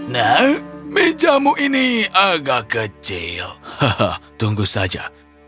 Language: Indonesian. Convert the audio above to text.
nah mejamu ini agak kecil tunggu saja